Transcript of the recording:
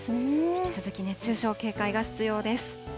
引き続き熱中症、警戒が必要です。